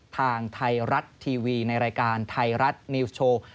ทางไทยรัฐทีวีในรายการไทยรัฐนิวส์โชว์